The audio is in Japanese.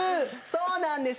そうなんです。